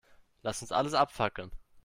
Lass uns alles abfackeln.